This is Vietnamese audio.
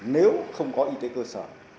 nếu không có y tế cơ sở